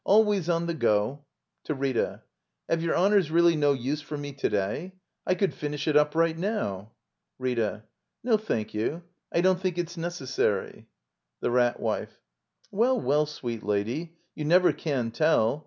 Alwajrs on the go. [To Rita.] Have your honors really no use for me to day? I could finish it up right now. Rita. No, thank youj I don't think it's neces sary. The Rat Wife. Well, well, sweet lady — you never can tell.